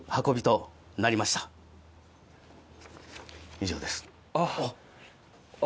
以上です。